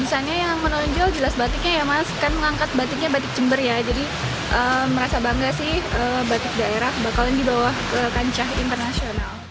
misalnya yang menonjol jelas batiknya ya mas kan mengangkat batiknya batik jember ya jadi merasa bangga sih batik daerah bakalan dibawa ke kancah internasional